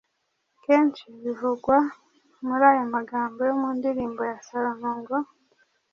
kenshi bivugwa muri aya magambo yo mu Ndirimbo ya Salomo ngo: